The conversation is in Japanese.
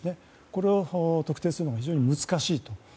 これを特定するのが非常に難しい。